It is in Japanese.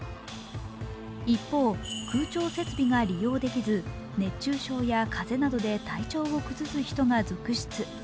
一方、空調設備が利用できず熱中症や風邪などで体調を崩す人が続出。